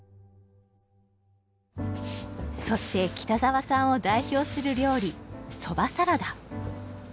そして北沢さんを代表する料理そばサラダ。